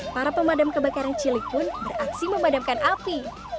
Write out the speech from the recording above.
para pemadam kebakaran cilik pun beraksi memadamkan api